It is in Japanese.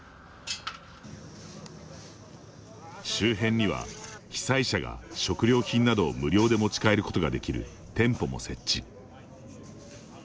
周辺には被災者が食料品などを無料で持ち帰ることができる店舗も設置。